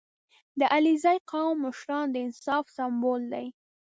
• د علیزي قوم مشران د انصاف سمبول دي.